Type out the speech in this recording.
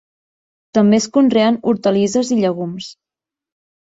També es conreen hortalisses i llegums.